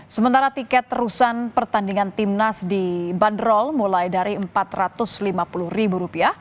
sementara tiket terusan pertandingan timnas dibanderol mulai dari rp empat ratus lima puluh